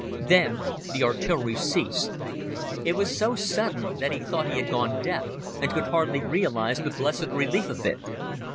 Then the artillery ceased. It was so sudden that he thought he had gone deaf, and could hardly realize the blessed relief of it.